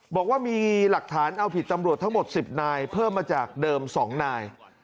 บอกว่ามีหลักฐานเอาผิดตำรวจทั้งหมด๑๐นายเพิ่มมาจากเดิม๒นาย